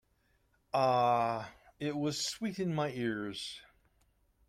Ah, it was sweet in my ears.